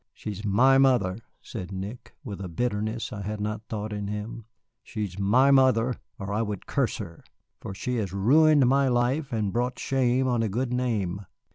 "She is my mother," said Nick, with a bitterness I had not thought in him, "she is my mother, or I would curse her. For she has ruined my life and brought shame on a good name."